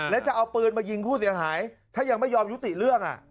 แล้วจะเอาปืนมายิงผู้เสียหายถ้ายังไม่ยอมยุติเรื่อง